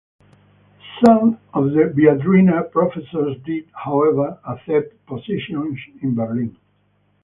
Some of the Viadrina professors did, however, accept positions in Berlin.